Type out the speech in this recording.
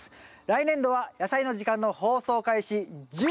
来年度は「やさいの時間」の放送開始お！